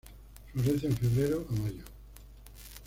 Florece en febrero a mayo.